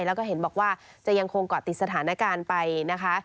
แล้วก็เห็นบอกว่าจะยังคงเกาะติดสถานการณ์ไปนะคะ